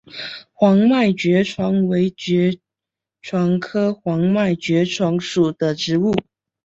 黄脉爵床为爵床科黄脉爵床属的植物。